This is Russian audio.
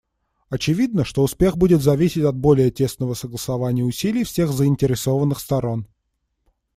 Очевидно, что успех будет зависеть от более тесного согласования усилий всех заинтересованных сторон.